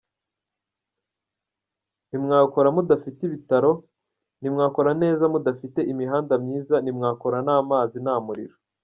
Ntimwakora mudafite ibitaro, ntimwakora neza mudafite imihanda myiza, ntimwakora nta mazi , nta muriro.